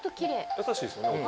優しいですよね音。